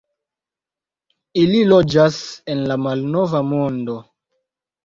Ili loĝas en la Malnova Mondo.